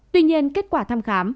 tuy nhiên kết quả thăm khám